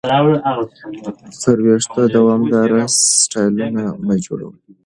پر وېښتو دوامداره سټایلونه مه جوړوئ.